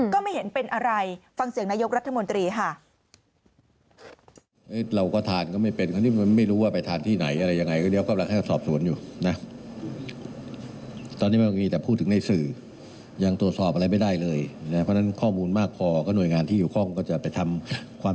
ก็ไม่เห็นเป็นอะไรฟังเสียงนายกรัฐมนตรีค่ะ